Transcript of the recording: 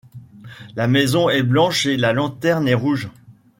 La maison est blanche et la lanterne est rouge.